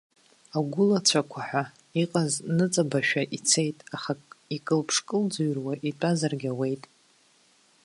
Агәылацәақәа ҳәа иҟаз ныҵабашәа ицеит, аха икылԥш-кылӡырҩуа итәазаргь ауеит.